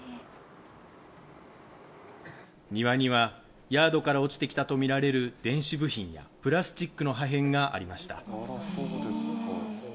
庭にはヤードから落ちてきたと見られる電子部品やプラスチックの破片がありました。